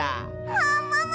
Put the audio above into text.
ももも！